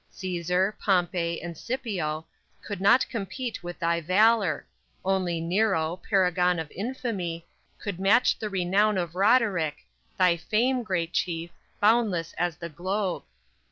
Cæsar, Pompey and Scipio Could not compete with thy valor; Only Nero, paragon of infamy, Could match the renown of Roderick, Thy fame, great chief, boundless as the globe!